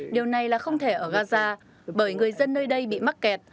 điều này là không thể ở gaza bởi người dân nơi đây bị mắc kẹt